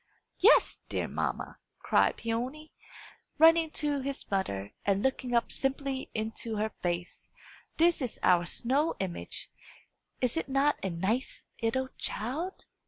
"Yes, dear mamma," cried Peony, running to his mother and looking up simply into her face, "This is our snow image! Is it not a nice 'ittle child?"